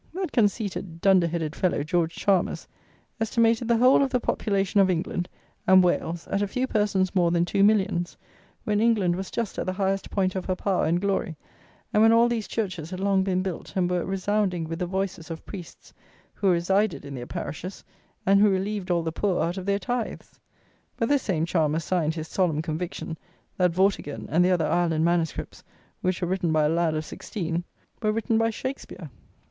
That conceited, dunderheaded fellow, George Chalmers, estimated the whole of the population of England and Wales at a few persons more than two millions, when England was just at the highest point of her power and glory, and when all these churches had long been built and were resounding with the voice of priests, who resided in their parishes, and who relieved all the poor out of their tithes! But this same Chalmers signed his solemn conviction, that Vortigern and the other Ireland manuscripts, which were written by a lad of sixteen, were written by SHAKSPEARE.